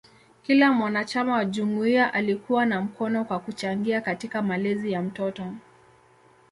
Kila mwanachama wa jumuiya alikuwa na mkono kwa kuchangia katika malezi ya mtoto.